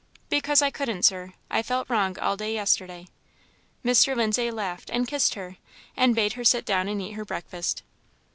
"Because I couldn't, Sir; I felt wrong all day yesterday." Mr. Lindsay laughed, and kissed her, and bade her sit down and eat her breakfast.